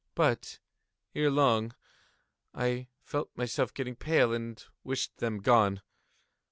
But, ere long, I felt myself getting pale and wished them gone.